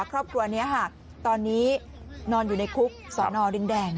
ครอบครัวนี้ค่ะตอนนี้นอนอยู่ในคุกสอนอดินแดง